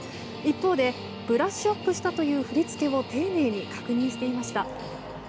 一方でブラッシュアップしたという振り付けを丁寧に確認していました。